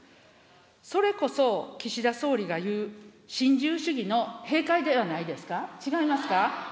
それこそ、岸田総理が言う新自由主義の弊害ではないですか、違いますか。